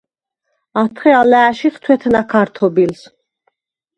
ათხე ალა̄̈შიხ თუ̂ეთნა ქართობილს.